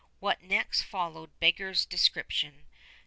What next followed beggars description.